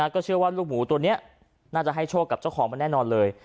ก็เชื่อว่าลูกหมูตัวนี้น่าจะให้โชคกับเจ้าของมันแน่นอนเลย